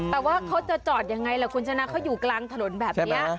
แต่ว่าเขาจะจอดยังไงล่ะคุณชนะเขาอยู่กลางถนนแบบนี้